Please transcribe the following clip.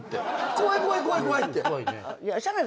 怖い怖い怖い怖いって。